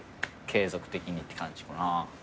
継続的にって感じかな。